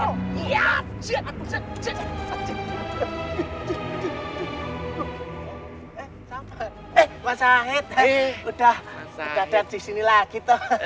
udah udah datang disini lagi